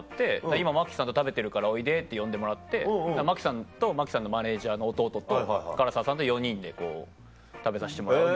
「今真木さんと食べてるからおいで」って呼んでもらって真木さんと真木さんのマネージャーの弟と唐沢さんと４人でこう食べさせてもらうみたいな。